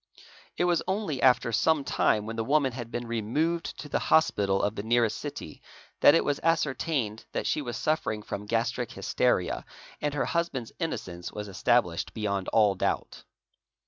It was only after some time ." vhen the woman had been removed to the hospital of the nearest city that it was ascertained that she was suffering from gastric hysteria, and her husband's innocence was established beyond all doubt.